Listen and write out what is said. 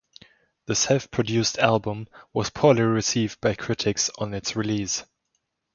The self-produced album was poorly received by critics on its release.